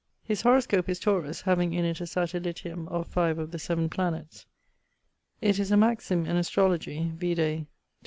His horoscope[FN] is Taurus, having in it a satellitium of 5 of the 7 planets. It is a maxime in astrologie vide Ptol.